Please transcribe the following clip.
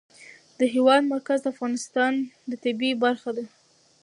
د هېواد مرکز د افغانستان د طبیعت برخه ده.